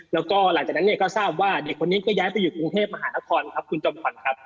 แล้วก็หลังจากนั้นเนี่ยก็ทราบว่าเด็กคนนี้ก็ย้ายไปอยู่กรุงเทพมหานครครับคุณจอมขวัญครับ